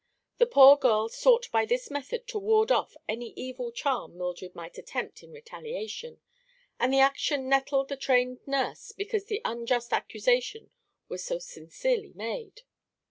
The poor girl sought by this method to ward off any evil charm Mildred might attempt in retaliation, and the action nettled the trained nurse because the unjust accusation was so sincerely made.